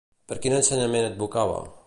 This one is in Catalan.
Per quin ensenyament advocava?